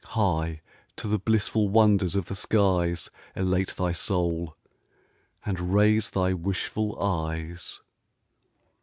High to the blissful wonders of the skies Elate thy soul, and raise thy wishful eyes.